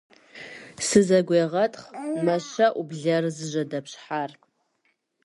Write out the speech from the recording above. - Сызэгуетхъ! - мэщэӀу блэр зыжьэдэпщхьар.